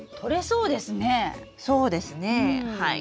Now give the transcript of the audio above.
そうですねはい。